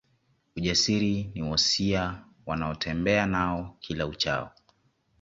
Ujasiri ni wosia wanaotembea nao kila uchao